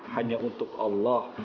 hanya untuk allah